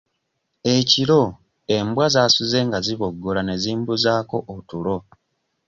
Ekiro embwa zaasuze nga ziboggola ne zimbuzaako otulo.